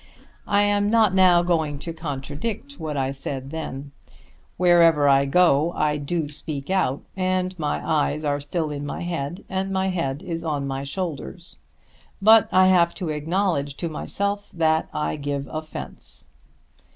I am not now going to contradict what I said then. Wherever I go I do speak out, and my eyes are still in my head and my head is on my shoulders. But I have to acknowledge to myself that I give offence.